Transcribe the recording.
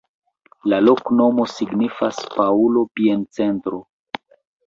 La loknomo signifas: Paŭlo-biencentro.